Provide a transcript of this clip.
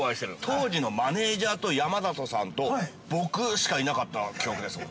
当時のマネージャーと山里さんと僕しかいなかった記憶ですもん。